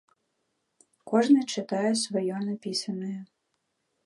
Кожны чытае сваё напісанае.